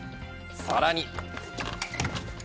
さらに。